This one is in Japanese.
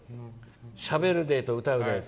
しゃべるデーと歌うデー。